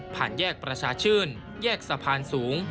แยกประชาชื่นแยกสะพานสูง